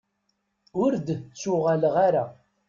Ur d-ttuɣaleɣ ara.